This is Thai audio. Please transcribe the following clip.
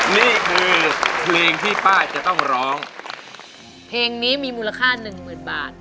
นี่คือเพลงที่ป้าจะต้องร้องเพลงนี้มีมูลค่า๑๐๐๐๐บาท